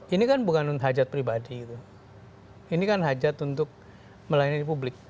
ini kan bukan hajat pribadi ini kan hajat untuk melayani publik